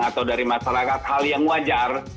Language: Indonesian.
atau dari masyarakat hal yang wajar